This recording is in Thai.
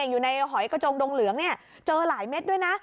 อยู่ในหอยกระจงดงเหลืองเจอหลายเม็ดด้วยนะ